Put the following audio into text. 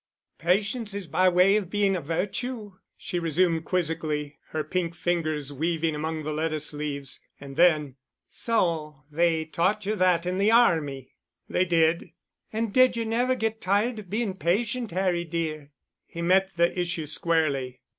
"Patience is by way of being a virtue," she resumed quizzically, her pink fingers weaving among the lettuce leaves. And then, "so they taught you that in the Army?" "They did." "And did you never get tired of being patient, Harry dear?" He met the issue squarely.